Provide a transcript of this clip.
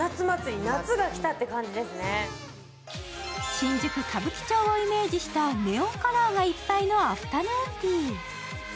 新宿歌舞伎町をイメージしたネオンカラーがいっぱいのアフタヌーンティー。